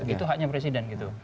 itu haknya presiden gitu